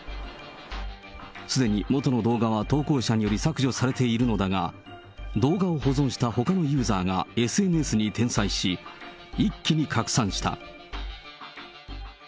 すでに元の動画は投稿者により削除されているのだが、動画を保存したほかのユーザーがＳＮＳに転載し、一気に拡散した。